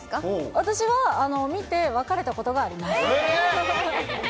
私は見て、別れたことがありえー。